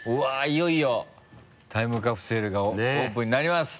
いよいよタイムカプセルがオープンになります。